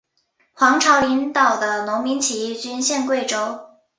黄巢领导的农民起义军陷桂州。